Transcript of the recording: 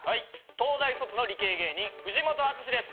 東大卒の理系芸人藤本淳史です。